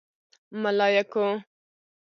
_ملايکو!